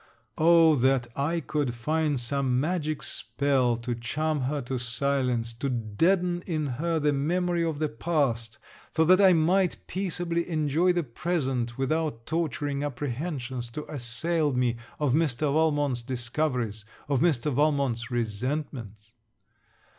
Oh, that I could find some magic spell to charm her to silence, to deaden in her the memory of the past, so that I might peaceably enjoy the present without torturing apprehensions to assail me of Mr. Valmont's discoveries, of Mr. Valmont's resentments!